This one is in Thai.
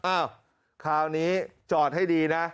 คราวนี้จอดให้ดีนะ